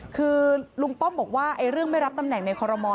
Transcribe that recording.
คือลุงป้อมบอกว่าเรื่องไม่รับตำแหน่งในคอรมอล